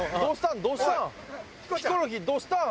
どうしたん？